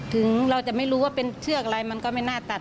ถึงเราจะไม่รู้ว่าเป็นเชือกอะไรมันก็ไม่น่าตัด